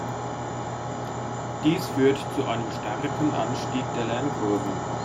Dies führt zu einem starken Anstieg der Lernkurve.